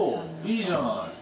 いいじゃない。